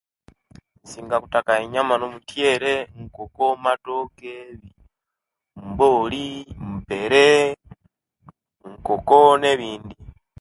Isiinga kutaka nyama no'mutyere, nkoko, matooke, mbooli, mpeere, nkoko nebindi.